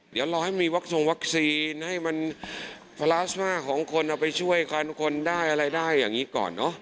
เดี๋ยวรอให้มีวัคซงวัคซีนให้มันพลาสมาของคนเอาไปช่วยกันคนได้อะไรได้อย่างนี้ก่อนเนอะ